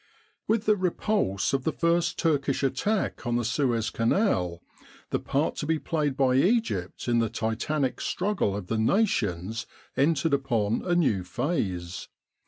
With the repulse of the first Turkish attack on the Suez Canal, the part to be played by Egypt in the titanic struggle of the nations entered upon a new phase.